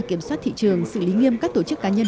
kiểm soát thị trường xử lý nghiêm các tổ chức cá nhân